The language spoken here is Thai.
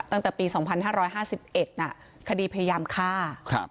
ตั้งแต่ปี๒๕๕๑คดีพยายามฆ่า